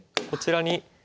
こちらに。